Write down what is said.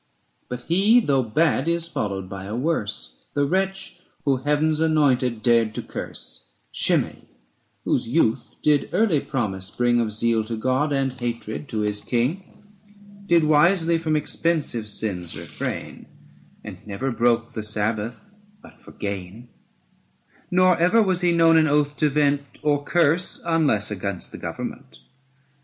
But he, though bad, is followed by a worse, The wretch who Heaven's anointed dared to curse ; Shimei, whose youth did early promise bring 585 Of zeal to God and hatred to his King, Did wisely from expensive sins refrain And never broke the Sabbath but for gain : Nor ever was he known an oath to vent Or curse, unless against the government.